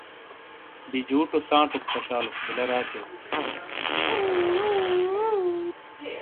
بِجُوٹو سانچوک پشالوس بِیلا راتیو۔